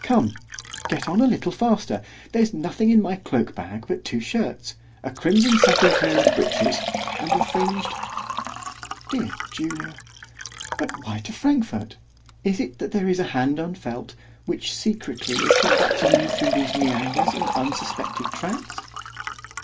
——come—get on a little faster—there's nothing in my cloak bag but two shirts——a crimson sattin pair of breeches, and a fringed——Dear Julia! ——But why to Frankfort?—is it that there is a hand unfelt, which secretly is conducting me through these meanders and unsuspected tracts?